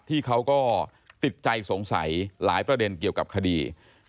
ที่เขาก็ติดใจสงสัยหลายประเด็นเกี่ยวกับคดี